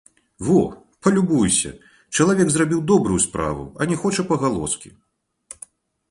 Во, палюбуйся, чалавек зрабіў добрую справу, а не хоча пагалоскі.